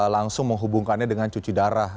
langsung menghubungkannya dengan cuci darah